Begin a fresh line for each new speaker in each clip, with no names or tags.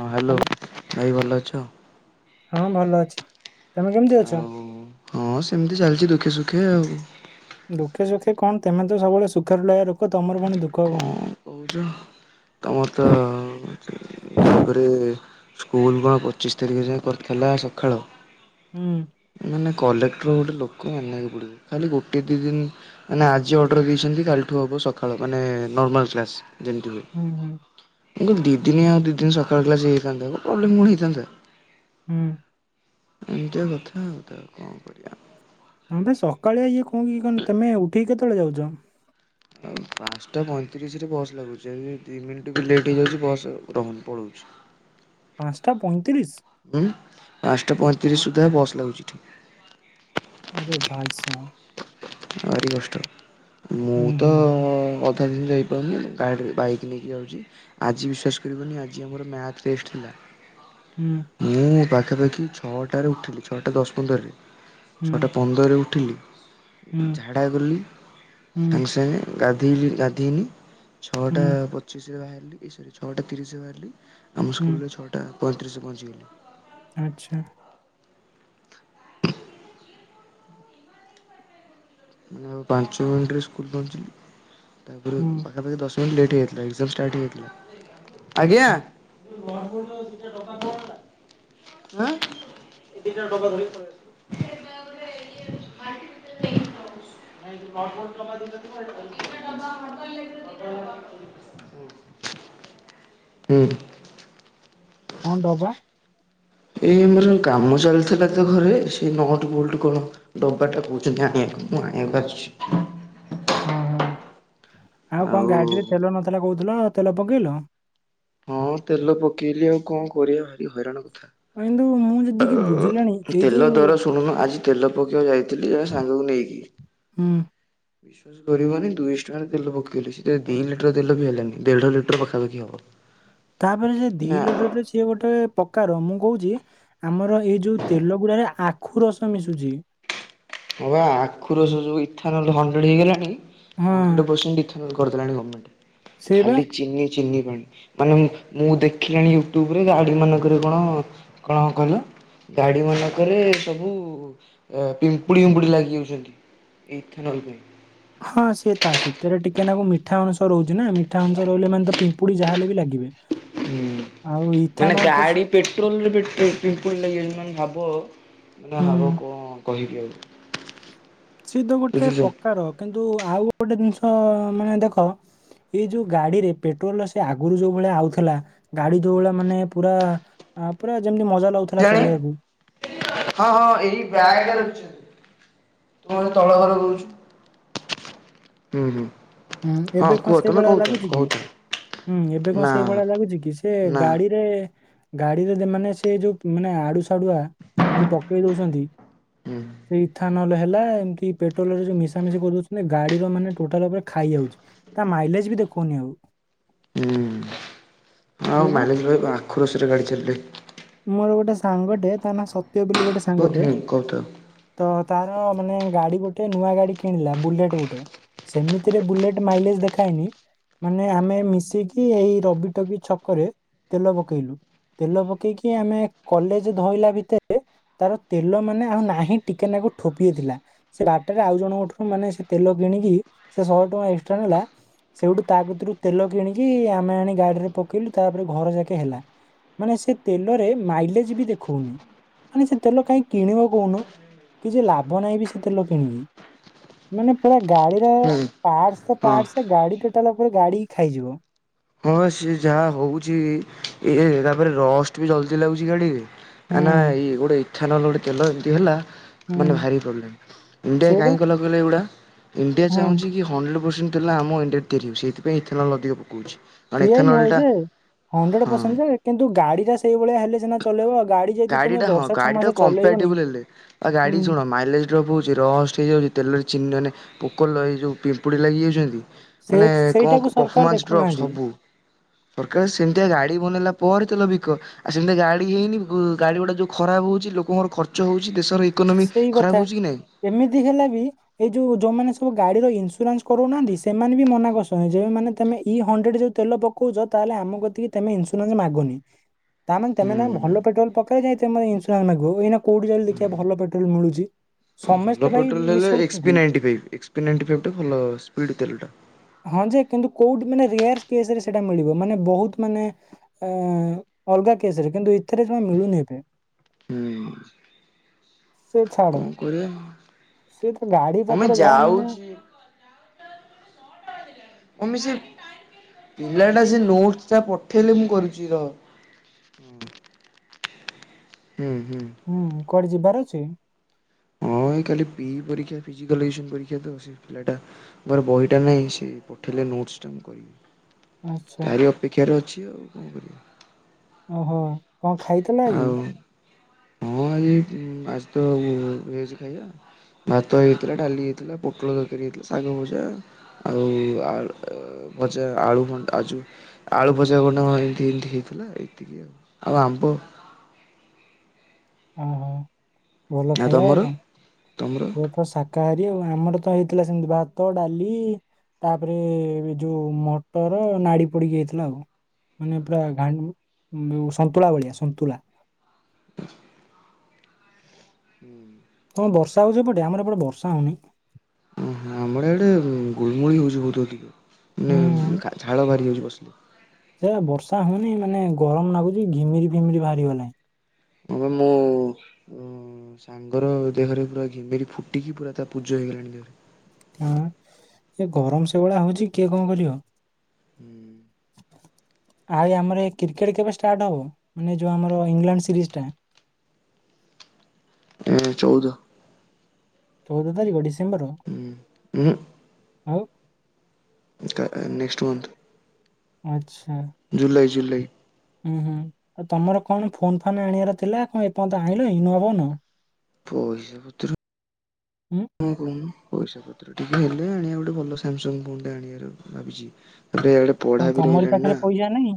ହଁ hello
hello
ଭାଇ ଭଲ ଅଛ।
ହଁ ଭଲ ଅଛି। ତମେ କେମିତି ଅଛ?
ଆଉ ହଁ ସେମିତି ଚାଲିଛି ଦୁଃଖେ ସୁଖେ ଆଉ।
ଦୁଃଖେ ସୁଖେ କଣ ତମେ ତ ସବୁବେଳେ ସୁଖରେ ରଇଆ ଲୋକ ତମର ପୁଣି ଦୁଃଖ କଣ?
କହୁଛ ତମର ତ ତାପରେ ସ୍କୁଲ କଣ ପଚିଶ ତାରିଖ ଯାଏ କରିଥିଲା ସକାଳ।
ହୁଁ।
ମାନେ କଲେକ୍ଟର ଗୋଟେ ଲୋକ ମାନିବାକୁ ପଡିବ ଖାଲି ଗୋଟେ ଦି ଦିନ ମାନେ ଆଜି ଅର୍ଡର ଦେଇଛନ୍ତି କାଲିଠୁ ହବ ସକାଳ ମାନେ ନର୍ମାଲ କ୍ଲାସ୍ ଯେମିତି ହୁଏ।
ହୁଁ ହୁଁ।
କିନ୍ତୁ ଦିଇ ଦିନିଆ ଆଉ ଦୁଇ ଦିନ ସକାଳ କ୍ଲାସ ହେଇଯାଇଥାନ୍ତା ପ୍ରୋବ୍ଲେମ୍ କଣ ହେଇଥାନ୍ତା।
ହୁଁ।
ଏମିତିଆ କଥା ଆଉ ତ ଆଉ କଣ କରିବା?
ହଁ ଭାଇ ସକାଳିଆ ଇଏ କଣ ଇଏ କଣ ତମେ ଉଠିକି କେତେବେଳେ ଯାଉଛ?
ଆଉ। ପାଞ୍ଚଟା ପଇଁତିରିଶ ରେ ବସ୍ ଲାଗୁଛି ଦି ମିନିଟ ବି ଲେଟ୍ ହେଇଯାଉଛି ବସ୍ ରହୁନି ପଳଉଛି।
ପାଞ୍ଚଟା ପଇଁତିରିଶ।
ହୁଁ ପାଞ୍ଚଟା
ଆ
ପଇଁତିରିଶ ସୁଦ୍ଧା ବସ୍ ଲାଗୁଛି ଠିକ।
ଆରେ ଭାଇ ସା।
ଭାରି କଷ୍ଟ ମୁଁ
ହୁଁ
ତ
ହୁଁ ହୁଁ।
ଚାଲିଲି ଯାଇପାରୁନି ମୁ ଗାଡ଼ିରେ ବାଇକ୍ ନେଇକି ଯାଉଛି। ଆଜି ବିଶ୍ୱାସ କରିବନି ଆଜି ଆମର ମ୍ୟାଥ ଟେଷ୍ଟ ଥିଲା।
ହୁଁ।
ମୁଁ ପାଖାପାଖି ଛଅଟାରେ ଉଠିଲି ଛଅଟା ଦଶ ପନ୍ଦରରେ
ହୁଁ
ଛଅଟା ପନ୍ଦରରେ ଉଠିଲି।
ହୁଁ
ଝାଡ଼ା ଗଲି
ହୁଁ
ସାଙ୍ଗେ ସାଙ୍ଗେ ଗାଧେଇଲି ଗାଧେଇନି।
ହୁଁ
ଛଅଟା ପଚିଶରେ ବାହାରିଲି ଛଅଟା ତିରିଶରେ ବାହାରିଲି ଆମ
ହୁଁ
ସ୍କୁଲରେ ଛଅଟା ପଇଁତିରିଶି ରେ ପହଞ୍ଚିଗଲି।
ଆଛା।
ମାନେ ଆଉ ପାଞ୍ଚ ମିନିଟରେ ସ୍କୁଲ ପହଞ୍ଚିଲି ତାପରେ
ହୁଁ।
ପାଖାପଖି ଦସ ପ ଲେଟ୍ ହେଇାଇଥିଲା ଏଜାମ ଷ୍ଟାର୍ଟ ହେଇଯାଇଥିଲା ଆଜ୍ଞା।
ଆଚ୍ଛା
[inaudible] [inaudible] [inaudible] [inaudible] ହୁଁ।
[inaudible]
ଏଇ ଆମର କାମ ଚାଲିଥିଲା ତ ଘରେ ସେଇ ନଟ ବୋଲ୍ଟ କଣ ଢବାଟା କହୁଚନ୍ତି ଆଣିବାକୁ ମୁଁ ଆଣିବାକୁ ଆସିଛି।
ଓ ହଁ ଆଉ କଣ ଗାଡ଼ିରେ ତେଲ ନଥିଲା କହୁଥିଲ ତେଲ ପକେଇଲ।
ହଁ ତେଲ ପକେଇଲି ଆଉ କଣ କରିବା ଭାରି ହଇରାଣ କଥା।
ହଁ ଇନ୍ଦୁ ମୁଁ ଜେତିକି ବୁଝିଲିଣି ଏଇ ଯୋଉ
ଶୁଣୁନ ଆଜି ତେଲ ପକାଇବାକୁ ଯାଇଥିଲି ଜଣେ ସାଙ୍ଗକୁ ନେଇକି
ହୁଁ।
[inaudible] ଶ୍ କରିବନି ଦୁଇଶଟଙ୍କାରେ ତେଲ ପକେଇଲି ସେଥିରେ ଦୁଇ ଲିଟର ତେଲ ବି ହେଲାନି ଦେଢ଼ ଲିଟର ପାଖାପାଖି ହବ। [inaudible]
ତାପରେ ସେ ଦି
ନା
ଲିଟରରେ ତ ସିଏ ଗୋଟେ ପକାର ମୁଁ କହୁଛି ଆମର ଏଇ ଯୋଉ ତେଲ ଗୁରାଏ ଆଖୁ ରସ ମିଶୁଛି।
ହଁ ବା ଆଖୁ ରସ ଯୋଉ
ହଁ
[unintelligible] [unintelligible]
ସେଇ ବା
ଖାଲି ଚିନି ଚିନି ପାଣି ମାନେ ମୁଁ ମୁଁ ଦେଖିଲାଣି ୟୁଟ୍ୟୁବରେ ଗାଡ଼ି ମାନଙ୍କରେ କଣ? ଗାଡ଼ି ମାନଙ୍କରେ ସବୁ ଅ ପିମ୍ ପୁୁଡ଼ି ଉୁମ୍ପୁଡ଼ି ଲାଗିଯାଉଛନ୍ତି ଏଇ ଥୋନଲ୍ ପାଇଁ।
ହଁ ସିଏ ତା ସିତେରେ ଟିକେ ନାଗୁ ମିଠା ଅଂଶ ରହୁଛି ନା ମିଠା ଅଂଶ ରହିଲେ ମାନେ ତ ପିମ୍ପୁଡ଼ି ଯାହା ହେଲେ ବି ଲାଗିବେ।
ହୁଁ
ଆଉ
ମାନେ
ଇଥାନଲ ତ
ଗାଆଡ଼ି
ସେ-
ପେଟ୍ରୋଲରେ ପିଟ ପି ପିମ୍ପୁଡ଼ି ଲାଗିଯାଇଛନ୍ତି ମାନେ ଭାବ ମାନେ
ହୁଁ
ହାବ କଣ କହିବି ଆଉ?
ସିଏ ତ ଗୋଟେ
ବୁଝୁଛ।
ପ୍ରକାର କିନ୍ତୁ ଆଉ ଗୋଟେ ଜିନିଷ ମାନେ ଦେଖ ଏଇ ଯୋଉ ଗାଡ଼ିରେ ପେଟ୍ରୋଲ ସେ ଆଗୁରୁ ଯୋଉ ଭଳିଆ ଆଉଥିଲା ଗାଡ଼ି ଦୋଓଳା ମାନେ ପୁରା ଆ ପୁରା ଯେମିତି ମଜା ଲା
ଜାଣି ହଁ ହଁ ଏଇ ବ୍ୟାଗ୍ ଟା ରଖିଛନ୍ତି। ତମ ଏ ତଳ ଘର ରହୁଛୁ।
ହୁଁ ଏବେ କଣ ସେଇଭଳିଆ ଲାଗୁଛି କି? ହୁଁ ଏବେ କଣ
ନା
ସେଇ ଭଳିଆ ଲାଗୁଛି କି ସିଏ
ନା
ଗାଡ଼ିରେ ମାନେ ଆଡ଼ୁ ସାଡ଼ୁଆ ଯୋଉ ପକେଇ ଦଉଛନ୍ତି
ହୁଁ
ସେଇ ନହେଲେ ହେଲା ଏମିତି ପେଟ୍ରୋଲରେ ଯୋଉ ମିଶା ମିଶି କରିଦଉଛନ୍ତି ଗାଡ଼ି ର ମାନେ ଟୋଟାଲ ଉପରେ ଖାଇଯାଉଛି ତା ମାଇଲେଜ ବି ଦେଖଉନି ଆଉ।
ହୁଁ
ସେ
ଆଉ
ବା
ମାଇଲେଜ [unintelligible] ଆଖୁ ରସରେ ଗାଡ଼ି ଚାଲିଲେ।
ମୋର ଗୋଟେ ସାଙ୍ଗଟେ ତା ନା ସତ୍ୟ ବୋଲି ଗୋଟେ ସାଙ୍ଗଟେ
ହୁଁ କହୁଥାଅ
ତ ତାର ମାନେ ଗାଡ଼ି ଗୋଟେ ନୂଆ ଗାଡ଼ି କିଣିଲା ବୁଲେଟ୍ ଗୋଟେ ସେମି ତି ରେ ବୁଲେଟ୍ ମାଇଲେଜ ଦେଖାଏନି। ମାନେ ଆମେ ମିଶିକି ଏଇ ରବି ଟବି ଛକରେ ତେଲ ପକେଇଲୁ। ତେଲ ପକେଇକି ଆମେ କଲେଜ ଧଇଲା ଭିତେରେ ତାର ତେଲ ମାନେ ଆଉ ନାହିଁ ଟିକେ ନାଗୁ ଠୋପିଏଥିଲା। ସେ ବାଟରେ ଆଉ ଜଣଙ୍କଠୁ ମାନେ ସେ ତେଲ କିଣିକି ସେ ଶହେ ଟଙ୍କା ଏକ୍ସଟ୍ରା ନେଲା। ସେଇଠୁ ତା କତିରୁ ତେଲ କିଣିକି ଆମେ ଆଣି ଗାଡ଼ିରେ ପକେଇଲୁ ତାପରେ ଘର ଯାକେ ହେଲା। ମାନେ ସେ ତେଲରେ ମାଇଲେଜ ବି ଦେଖଉନି। ମାନେ ସେ ତେଲ କାହିଁ କିଣିବ କହୁନ କିଛି ଲାଭ ନାହିଁ ବି ସେ ତେଲ କିଣିକି। ମାନେ ପୁରା ଗାଡ଼ିର
ହୁଁ
ଆଡ୍ସ
ହଁ
ପାଟ୍ସ ଗାଡ଼ି ଟୋଟାଲ ପୁରରା ଗାଡ଼ି ହୀ ଖାଇଯିବ।
ହଁ ହଁ ସିଏ ଯାହା ହଉଛି ଇଏ ତାପରେ ରଷ୍ଟ ବି ଜଲଦି ଲାଗୁଛି ଗାଡ଼ିରେ ନା ନାଁ
ହୁଁ
ଏଇ ଗୋଟେ ଇଠା ଗୋଟେ ତେଲ ଏମିତି ହେଲା ମାନେ
ହୁଁ।
ଭାରି ପ୍ରୋବ୍ଲେମ ଇଣ୍ଡିଆ
ସେଇବା
କାଇଁ କହିଁଲ? ମାନେ ଏଗୁଡ଼ା ଇଣ୍ଡିଆ
ହୁଁ
ଚାହୁଚି କି ହଣ୍ଡ୍ରେଡ ପରସେଣ୍ଟ ତେଲ ଆମ ଇଣ୍ଡିଆରେ ତିଆରି ହଉଛି ସେଇଥିପାଇଁ ଇଥାନଏଲ ଅଧିକ ପକଉଛି।
ତିଆରି ହଉଚି ଯେ ହଣ୍ଡ୍ରେଡ
ହଁ
ପରସେଣ୍ଟ ଯେ କିନ୍ତୁ ଗାଡି ଟା ସେଇଭଳିଆ ହେଲେ ସିନା ଚଲେଇବ ଗାଡି। ଯଦି
ଗାଡି
ତମେ
ଟା ହଁ
ବର୍ଷେ ଛଅ
ଗାଡି ଟା
ମାସ ଚଲେଇବନି
କମ୍ପାଟିବଲ ହେଲେ ଆଉ
ହୁଁ।
ଗାଡି ଶୁଣ ମାଇଲେଜ। ଗ୍ରୁପ ହଉଛି ରଷ୍ଟ ହେଇଯାଉଛି ତେଲରେ ଚିନି ମାନେ ପୋକ ଏଇ ଯେଉଁ ପିମ୍ପୁଡ଼ି ଲାଗିଯାଉଛନ୍ତି।
ସେ
ମାନେ କଁ
ସେଇଟାକୁ ସରକାର
ପଫମାନ୍ସ୍ ଡ୍ରପ୍
ଦେଖୁନାହାନ୍ତି।
ସବୁ। ସରକାର ସେମିତିଆ ଗାଡି ବନେଇଲା ପରେ ତେଲ ବିକ ଆଉ ସେମିତିଆ ଗାଡି ହେଇନି। ଗାଡ଼ି ଗୁଡ଼ା ଯୋଉ ଖରାପ ହଉଛି ଲୋକଙ୍କର ଖର୍ଚ୍ଚ ହଉଛି ଦେଶର ଇକନୋମି
ସେଇ
ଖରାପ
କଥା
ହେଉଛି କି ନାଇଁ।
ଏମିତି ହେଲେ ବି। ଏଇ ଯୋଉ ଯୋଉମାନେ ସବୁ ଗାଡିର ଇନ୍ସୁରାନ୍ସ କରଉ ନାହାନ୍ତି ସେମାନେ ବି ମନା କରୁଛନ୍ତି ଯୋଉ ମାନେ ତମେ ଇ ହଣ୍ଡ୍ରେଡ ଯୋଉ। ତେଲ ପକଉଛ ତାହେଲେ ଆମ କତିକି ତମେ ଇନ୍ସୁରାନ୍ସ ମାଗନି। ତା ମାନେ ତମେ ଏଇନା ଭଲ ପଟ୍ରୋଲ ପକେଇବ ଯାଇଁ ତମେ ଇନ୍ସୁରାସ ମାଗିବ ଏଇନା କୋଉଠି ଚାଇଲୁ ଦେଖିବା ଭଲ ପେ ପେଟ୍ରୋଲ ମୁଳୁଚି।
ଭଲ ପେଟ୍ରୋଲ ହେଲେ X P ninety five X P ninety five ଟା ଭଲ ସ୍ପିଡ୍ ତେଲଟା।
ହଁ ଯେ କିନ୍ତୁ କୋଉଠି ମାନେ ରେଆର କେସରେ ସେଟା ମିଳିବ ମାନେ ବହୁତ ମାନେ। ଆଁ ଅଲଗା କେସ ରେ କିନ୍ତୁ ଇଥେରେ ଯମା ମିଳୁନି ଏବେ।
ହୁଁ
ସେ ଛାଡ
କଁ
ସେ ତ ଗାଡି
କରିବା।
ପତ୍ର ଯାହା ମାନେ
[unintelligible] [unintelligible] ହୁଁ। ହୁଁ ହୁଁ।
ହୁଁ କୁଆଡେ ଯିବାର ଅଛି।
ହଁ ଏଇ କାଲି ପି ପରୀକ୍ଷା ଫିଜିକାଲିସନ ପରୀକ୍ଷା ତ ସେ। ପିଲାଟା ମୋ ପାଖରେ ବହିଟା ନାହିଁ ସେ ପଠେଇଲେ ନୋଟ୍ସ ଟା ମୁଁ କରିବି।
ଆଚ୍ଛା।
ତାରି ଅପେକ୍ଷାରେ ଅଛି ଆଉ କଣ କରିବା।
ଓହୋ କଁ ଖାଇଥିଲ ଆଜି।
ଆଉ ହଁ ଆଜି ଆଜି ତ ଭେଜ ଖାଇବା। ଭାତ ହେଇଥିଲା ଡାଲି ହେଇଥିଲା ପୋଟଳ ଦରକାରୀ ହେଇଥିଲା ଶାଗଭଜା। ଆଉ ଆଳୁ ଭଜା ଆଳୁ ଭଣ୍ଡା ଆ ଯୋଉ। ଆଳୁ ଭଜା ଭଣ୍ଡା କଁ ଏମତି ଏମତି ହେଇଥିଲା ଏତିକି ଆଉ ଆଉ ଆମ୍ବ।
ଓହୋ ଭଲ ଖାଇବା ଆଉ କଁ
ତମର?
ପୁରା ତ ସା କାହାରି ଆଉ ଆମର ତ ହେଇଥିଲା ସେମିତି ଭାତ ଡାଲି। ତାପରେ ଏ ଯୋଉ ମଟର ନାଡି ପୋଡିିକି ହେଇଥିଲା ଆଉ। ମାନେ ପୁରା ଘା ସନ୍ତୁଳା ଭଳିଆ ସନ୍ତୁଳା।
ହୁଁ।
ତମର ବର୍ଷା ହଉଚି ସେଏଟେ ଆମର ଏପଟେ ବର୍ଷା ହଉନି।
ହୁଁ ହୁଁ ଆମର ଇଆଡେ ଗୁଳୁ ଗୁଳି ହଉଛି ବହୁତ ଅଧିକ ମାନେ ଝାଳ ବାହାରି ଯାଉଛି ବସିଲେ।
ସେୟ ବା ବର୍ଷା ହଉନି ମାନେ ଗରମ ଲାଗୁଛି ଘିମିରି ଫିମିରି ବାହାରି ଗଲାଣି।
ହଁ ବା ମୋ‌ ଉଁ। ଉଁ ସାଙ୍ଗର ଦେହରେ ପୁରା ଘିମିରି ଫୁଟିକି ପୁରା ତା ପୂଜ ହେଇଗଲାଣି ଦେହରେ।
ହଁ ଏ ଗରମ ସେଇଭଳିଆ ହଉଛି କିଏ କଁ କରିବ।
ହୁଁ।
ଆଉ ଆମର କ୍ରିକେଟ୍ କେବେ ଷ୍ଟାର୍ଟ ହବ ମାନେ ଯଉ ଆମର ଇଂଲଣ୍ଡ ସିରିଜ ଟା।
ଉଁ ଚଉଦ।
ଚଉଦ ତାରିଖ ଡିସେମ୍ବର।
ହୁଁ ଉଁ।
ଆଉ।
Next month.
ଆଛା।
ଜୁଲାଇ ଜୁଲେଇ।
ହୁଁ ହୁଁ ଆଉ ତମର କଣ ଫୋନ ଫାନ୍ ଆଣିଆର ଥିଲା। କଣ ଏପନ୍ତ ଆଣି ଲଣି ନୁଆ ଫୋନ୍?
ପଇସା ପତ୍ର
ହୁଁ
ହଁ କହୁନୁ ପଇସା ପତ୍ର ଟିକେ ହେଲେ ଆଣିଆ ଗୋଟେ ଭଲ ସାମସଙ୍ଗ ଫୋନ୍ ଟେ ଆଣିଆ ର ଭାବିଛି। ବେଡ଼
ହଁ ତମରି ପାଖରେ ପଇସା ନାଇଁ।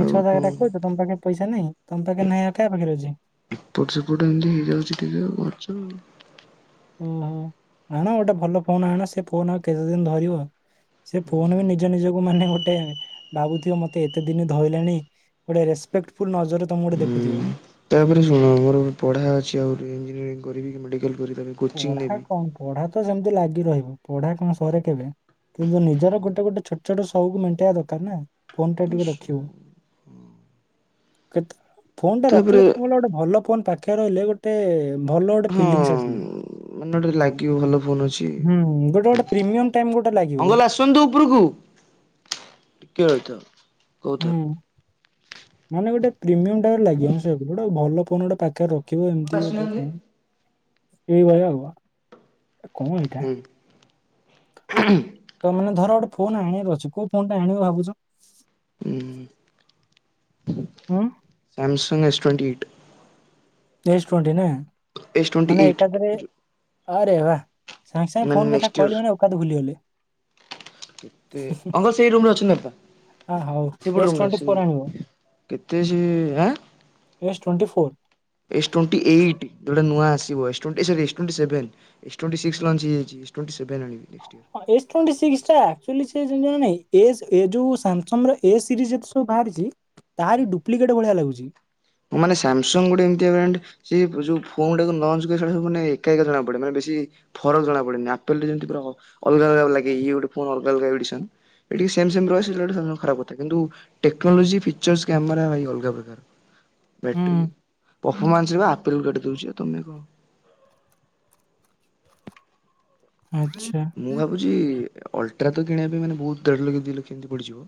ମିଛ
କଣ
କତାଅରା କହୁଚ ତମ୍ ପାଖେ ପଇସା ନାଇଁ ତମ୍ ପାକେ ନାଇଁ ଆଉ କା ପାଖରେ ଅଛି।
ଏପଟ ସେପଟ ଏମିତି ହେଇଯାଉଛି ଟିକେ ଆଉ ଖର୍ଚ୍ଚ ଆଉ।
ଓହୋ ଆଣ ଗୋଟେ ଭଲ ଫୋନ୍ ଆଣ ସେ ଫୋନ୍ ଆଉ କେତେଦିନ୍ ଧରିବ? ସେ
ହୁଁ
ଫୋନ୍ ବି
ହୁଁ
ନିଜ ନିଜକୁ ମାନେ ଗୋଟେ ଭାବୁଥିବ ମତେ ଏତେ ଦିନ ଧଇଲାଣି। ଗୋଟେ ରେସପେକ୍ଟଫୁଲ୍ ନଜରରେ ତମେ ଗୋଟେ ଦେଖୁଥିବ।
ତା ପରେ ଶୁଣ ମୋର ପଢା ଅଛି ଆହୁରି ଇଞ୍ଜିନିୟରିଂ କରିବି କି ମେଡିକାଲ୍ କରିପାରେ।
ପଢ଼ା କଣ ପଢ଼ା ତ ସେମିତି ଲାଗି ରହିବ ପଢ଼ା କଣ ସରେ କେବେ। କିନ୍ତୁ ନିଜର ଗୋଟେ ଗୋଟେ ଛୋଟ୍ ଛୋଟ ସଉକ୍ କୁ ମେଣ୍ଟେଇବା ଦରକାର ନା। ଫୋନ ଟା ଟିକେ
ସ
ରଖିବୁ।
ହଁ।
କେତେ ଫୋନ ଟା ରଖିଲେ କଣ ଗୋଟେ ଭଲ ଫୋନ୍ ପାଖରେ ରଇଲେ ଗୋଟେ ଭଲ ଗୋଟେ
ହଁ
ଫିଲିଙ୍ଗସ୍ ଆସିବ।
ମାନେ ଗୋଟେ ଲାଗିବ ଭଲ ଫୋନ୍ ଅଛି।
ହୁଁ ଗୋଟେ ଗୋଟେ ପ୍ରିମିୟମ୍ ଟାଇମ୍ ଗୋଟେ ଲାଗିବ। ଗୋଟେ
ଉନ୍ତୁ ଉପୁରୁକୁ ଟିକିଏ ରହିଥାଅ। କହୁଥାଅ।
ହୁଁ ମାନେ ଗୋଟେ ପ୍ରିମିୟମ୍ ଟାଇପ୍ ର ଲାଗିବ। ସେ ଗୋଟେ ଭଲ ଫୋନ୍ ଗୋଟେ ପାଖରେ ର ଦେଖିବ
ଅଙ୍କଲ୍
ଏମତି ଗୋଟେ
ଆସୁନାହାନ୍ତି।
କଣ? ଏଇ ଭଳିଆ ଆଉ କଣ ଏଇଟା?
ହୁଁ [inaudible]
ତ ମାନେ ଧର ଗୋଟେ ଫୋନ୍ ଆଣିବାର ଅଛି। କୋଉ ଫୋନ୍ ଟା ଆଣିବ ଭାବୁଛ?
ହୁଁ।
ହୁଁ।
Samsung S twenty eight.
S twenty ନା
ଏସ୍ ଟ୍ୱେଣ୍ଟି
ମାନେ
ଏଇଟ୍
ଏକାତରେ
ଯୋଉ
ଆରେ ବା। ସାଙ୍ଗ ସାଙ୍ଗେ
ମାନେ
ଫୋନ୍ କଥା
ନେକ୍ସଟ୍ ଇୟର୍।
କହିଲି ମାନେ, ଓକାତ୍ ଭୁଲିଗଲେ।
ଅଙ୍କଲ୍ ସେଇ ରୁମରେ ଅଛନ୍ତି ବାପା।
ଆ ହଉ
ସେପଟୁ
ଏସ୍
ରୁମ୍ ରେ
ଟ୍ୱେଣ୍ଟି ଫୋର୍ ଆଣିବ
ଆସିକି କେତେ ସେ ଆଁ
ଏଜସ୍ twenty four.
S twenty eight, ଯୋଉଟା ନୂଆ ଆସିବ। S twenty S twenty seven. S twenty six launch ହେଇ ଯାଇଚି। ଏସ୍ ଟ୍ୱେଣ୍ଟି ସେଭେନ୍ ଆଣିବି next year.
S twenty six ଟା ଏ ଯୋଉ ସାମ୍ସଙ୍ଗ ର ଏ ସିରିଜ୍ ଏକ୍ସ ଯୋଉ ବାହାରିଚି। ତା ରି ଡୁପ୍ଲିକେଟ୍ ଭଳିଆ ଲାଗୁଜି।
ମାନେ ସାମସଙ୍ଗ ଗୋଟେ ଏମିତିଆ ବ୍ରାଣ୍ଡ ସେ ଯୋଉ ଫୋନ୍ ଟାକୁ ଲଞ୍ଚ ସବୁ ମାନେ ଏକା ଏକା ଜଣା ପଡ଼େ। ମାନେ ବେଶୀ ଫରକ୍ ଜଣା ପଡ଼େନି ଆପଲ୍ ରେ ଯେନ୍ତି ପୂରା ଅଲଗା ଅଲଗା ଲାଗେ। ଇଏ ଗୋଟେ ଫୋନ୍ ଅଲଗା ଅଲଗା ଏଡ଼ିସନ୍। ଏ ଟିକେ ସେମ୍ ସେମ୍ ରଏ ସିଲେକ୍ଟ ସନ ଖରାପ କର୍ ଥାଏ। କିନ୍ତୁ ଟେକ୍ନୋଲୋଜି ଫିଚର୍ସ କ୍ୟାମେରା ଭାଇ ଅଲଗା ପ୍ରକାର। ବେଟ୍ରି
ହୁଁ
ପଫମାନ୍ସରେ ବା ଆପେଲ କୁକାଟି ଦଉଚି ଦେଉଚି ତମେ କଣ।
ଆଚ୍ଛା।
ଜି, ଅଲଟ୍ରା ତ କିଣିବା ପାଇଁ ମାନେ ବହୁତ ଦେଢ଼ ଲକ୍ଷ୍ୟ ଦିି ଲକ୍ଷ୍ୟ ଏମିତି ପଡ଼ିଯିବ।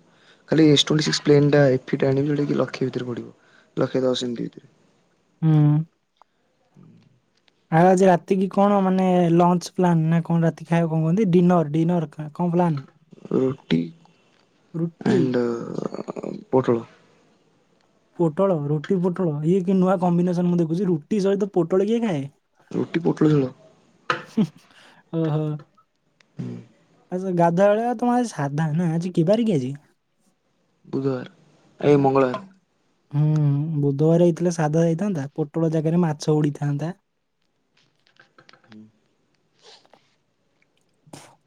ଖାଲି ଏସ୍ ଟ୍ୱେଣ୍ଟି ସିକ୍ସ ପ୍ଲେନ୍ଟା ଏଫିଟା ଆଣିବି ଯେଉଁଟାକି ଲକ୍ଷେ ଭିତେରେ ପଡ଼ିବ। ଲକ୍ଷେ ଦଶ ଏମିତି ଭିତେରେ।
ହୁଁ। ଆଉ ଆଜି ରାତି କିି କଣ ମାନେ ଲଞ୍ଚ ପ୍ଲାନ୍, ନା କଣ ରାତି ଖାଇବା କଣ କହନ୍ତି ଡିନର୍ ଡିନର୍ କଣ ପ୍ଲାନ୍?
ରୁଟି
ରୁଟି
ଆଣ୍ଡ ପୋଟଳ
ପୋଟଳ ରୁଟି ପୋଟଳ ଇଏ କି ନୂଆ କମ୍ବିନେସନ ମୁଁ ଦେଖୁଚି ରୁଟି ସହିତ ପୋଟଳ କିଏ ଖାଏ?
ରୁଟି, ପୋଟଳ ଝୋଳ।
ହୁଁ ଓହୋ।
[unintelligible]
ଆଛା ଗାଧୁଆବୋଳିଆ ତମ ଆଜି ସାଧା ନା! ଆଜି କିବାରେ କି ଆଜି?
ବୁଧବାର ଆଏ ମଙ୍ଗଳବାର
ହୁଁ ବୁଧବାର ହେଇଥିଲେ ସାଧା ହେଇଥାନ୍ତା ପୋଟଳ ଜାଗାରେ ମାଛ ଉଡିଥାନ୍ତା।
ହୁଁ।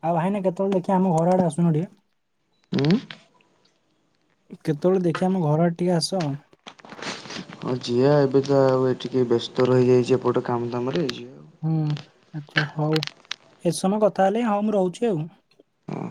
ଆଉ ଭାଇନା କେତେବେଳେ ଦେଖିଆ ଆମ ଘରଆଡେ ଆସୁନ ଟିକେ।
ଉଁ
କେତେବେଳେ ଦେଖିଆ ଆମ ଘରଆଡେ ଟିକେଆସ।
ହଁ ଯିିବା ଏବେତ ଆଉ ଏ ଟିକେ ବ୍ୟସ୍ତ ରହିଯାଇଚି ଏପଟ କାମ ଦାମରେ ଯିବା
ହୁଁ ଆଛା ହଉ ଏତେ ସମୟ କଥା ହେଲି ହଁ ମୁଁ ରହୁଚି ଆଉ।
ହଁ।